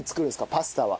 パスタは。